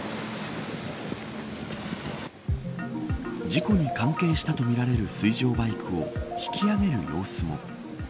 事故に関係したとみられる水上バイクを引き揚げる様子も。